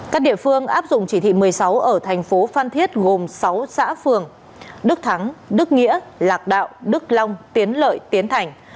các địa phương áp dụng chỉ thị một mươi sáu ở thành phố phan thiết gồm sáu xã phường đức thắng đức nghĩa lạc đạo đức long tiến lợi tiến thành